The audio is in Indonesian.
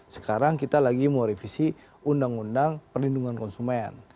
sekarang kita lagi mau revisi undang undang perlindungan konsumen